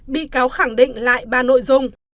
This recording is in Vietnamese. bị cáo khẳng định lại ba nội dung